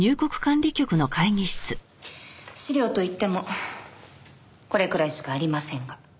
資料といってもこれくらいしかありませんが。